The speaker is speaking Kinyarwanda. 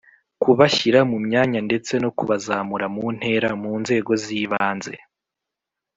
kubashyira mu myanya ndetse no kubazamura mu ntera Mu nzego z ibanze